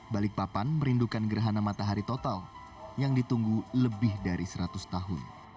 balikpapan merindukan gerhana matahari total yang ditunggu lebih dari seratus tahun